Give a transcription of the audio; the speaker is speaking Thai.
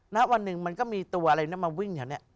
ณวันหนึ่งมันก็มีตัวอะไรนะมาวิ่งแถวนี้